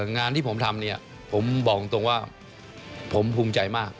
งานที่ผมทำเนี่ยผมบอกตรงว่าผมภูมิใจมาก